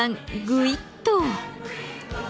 ぐいっと。